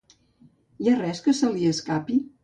Hi ha res que se li escapi?